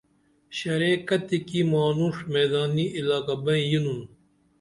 شرےکتیکی مانُڜ میدانی علاقہ بیئں یِنُن؟